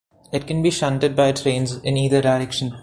It can be shunted by trains in either direction.